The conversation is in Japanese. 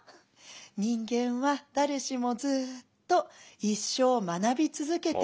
「人間は誰しもずっと一生学び続けていくもの。